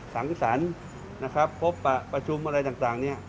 สังสรรค์พบประชุมอะไรต่าง